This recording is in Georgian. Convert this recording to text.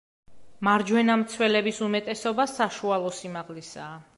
მარჯვენა მცველების უმეტესობა საშუალო სიმაღლისაა.